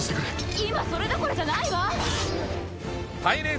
今それどころじゃないわ！